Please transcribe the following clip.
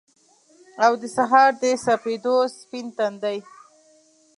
او دسهار دسپیدو ، سپین تندی